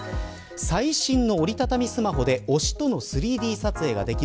最新の折り畳みスマホで推しとの３Ｄ撮影ができる。